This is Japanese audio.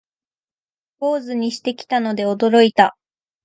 坊主にしてきたので驚いた